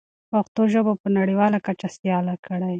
پښتو ژبه په نړیواله کچه سیاله کړئ.